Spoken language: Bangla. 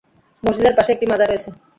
মসজিদের পাশে একটি মাজার রয়েছে।